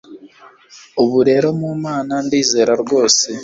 ubu rero mu mana ndizera rwose